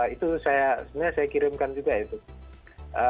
itu sebenarnya saya kirimkan juga ya